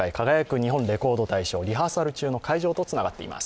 日本レコード大賞」リハーサル中の会場を中継がつながっています。